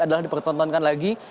adalah dipertontonkan lagi